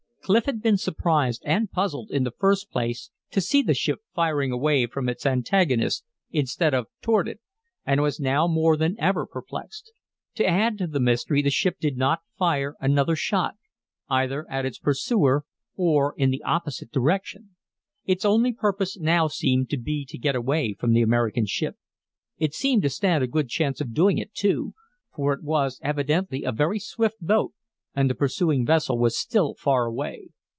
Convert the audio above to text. Clif had been surprised and puzzled in the first place to see the ship firing away from its antagonist instead of toward it, and was now more than ever perplexed. To add to the mystery, the ship did not fire another shot, either at its pursuer or in the opposite direction. Its only purpose now seemed to be to get away from the American ship. It seemed to stand a good chance of doing it, too; for it was evidently a very swift boat, and the pursuing vessel was still far away.